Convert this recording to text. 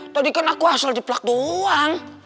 tadi kan aku asal jeplak doang